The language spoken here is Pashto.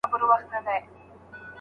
دوی حکيمانه ژوند ولي نسي کولای؟